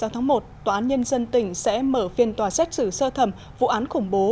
sáu tháng một tòa án nhân dân tỉnh sẽ mở phiên tòa xét xử sơ thẩm vụ án khủng bố